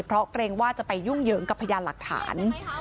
เพราะเกรงว่าจะไปยุ่งเหยิงกับพยานหลักฐาน